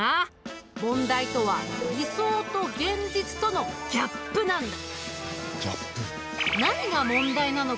問題とは理想と現実とのギャップなんだ。